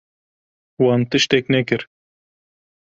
Wan tiştek nekir.